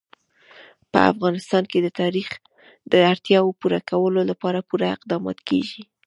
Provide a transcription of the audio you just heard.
په افغانستان کې د تاریخ د اړتیاوو پوره کولو لپاره پوره اقدامات کېږي.